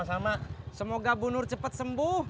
semoga bunur cepat sembuh